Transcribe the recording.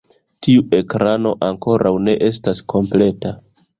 Tiu ekrano ankoraŭ ne estas kompleta.